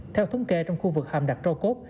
theo thống kê trong khu vực hầm đặt cho cốt